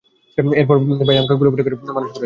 এরপর ভাইয়াই আমাকে কোলে-পিঠে করে মানুষ করেছে।